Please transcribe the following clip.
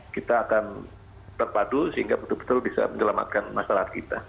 kita akan terpadu sehingga betul betul bisa menyelamatkan masyarakat kita